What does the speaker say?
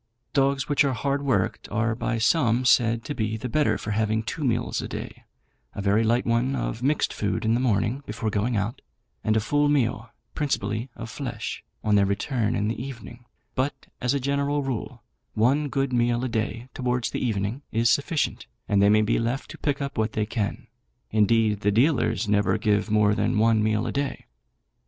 Dogs which are hard worked are by some said to be the better for having two meals a day a very light one of mixed food in the morning before going out, and a full meal, principally of flesh, on their return in the evening; but, as a general rule, one good meal a day, towards the evening, is sufficient, and they may be left to pick up what they can: indeed the dealers never give more than one meal a day.